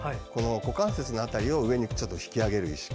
股関節の辺りを上に引き上げる意識。